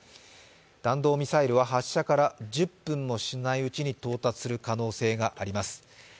弾道ミサイルは発射から１０分もしないうちに到達する可能性があります。